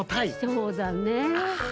そうだねえ。